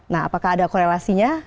nah apakah ada korelasinya